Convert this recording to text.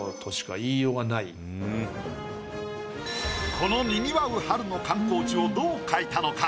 このにぎわう春の観光地をどう描いたのか？